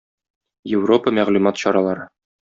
Европа мәгълүмат чаралары.